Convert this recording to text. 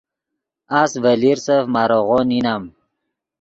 اس ڤے لیرسف ماریغو نینم